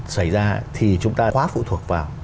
xảy ra thì chúng ta quá phụ thuộc vào